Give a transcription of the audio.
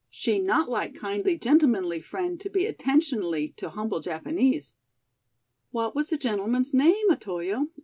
"She not like kindly gentlemanly friend to be attentionly to humble Japanese." "What was the gentleman's name, Otoyo?"